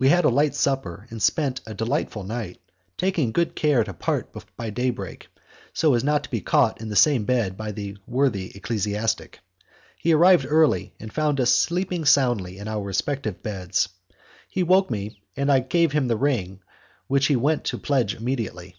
We had a light supper, and spent a delightful night, taking good care to part by day break, so as not to be caught in the same bed by the worthy ecclesiastic. He arrived early and found us sleeping soundly in our respective beds. He woke me, and I gave him the ring which he went to pledge immediately.